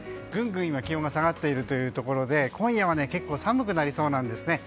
ぐんぐん今、気温が下がっているところで今夜は結構寒くなりそうなんです。